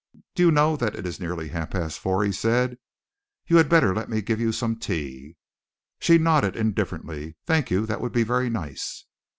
"Do you know that it is nearly half past four?" he said. "You had better let me give you some tea." She nodded indifferently. "Thank you. That would be very nice."